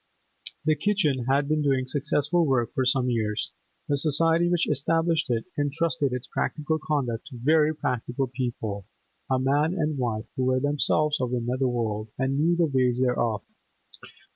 The kitchen had been doing successful work for some years; the society which established it entrusted its practical conduct to very practical people, a man and wife who were themselves of the nether world, and knew the ways thereof.